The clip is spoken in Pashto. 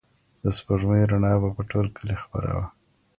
د سپوږمۍ رڼا به په ټول کلي خپره وه.